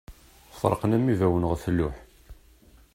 Ferqen am ibawen ɣef luḥ.